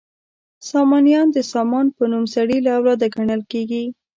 سامانیان د سامان په نوم سړي له اولاده ګڼل کیږي.